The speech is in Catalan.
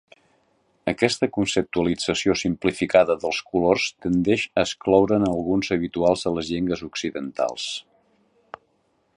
Aquesta conceptualització simplificada dels colors tendeix a excloure'n alguns habituals a les llengües occidentals.